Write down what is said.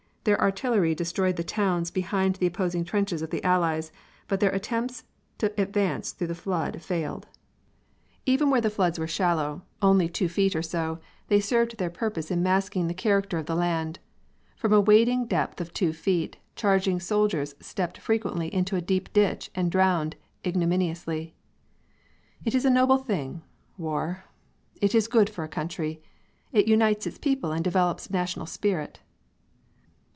Their artillery destroyed the towns behind the opposing trenches of the Allies, but their attempts to advance through the flood failed. Even where the floods were shallow only two feet or so they served their purpose in masking the character of the land. From a wading depth of two feet, charging soldiers stepped frequently into a deep ditch and drowned ignominiously. It is a noble thing, war! It is good for a country. It unites its people and develops national spirit!